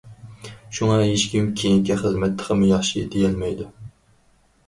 شۇڭا، ھېچكىم« كېيىنكى خىزمەت تېخىمۇ ياخشى» دېيەلمەيدۇ.